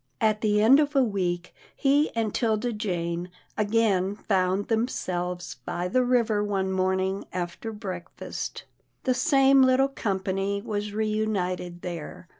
At the end of a week, he and 'Tilda Jane again found themselves by the river one morning after breakfast. The same little company was reunited there.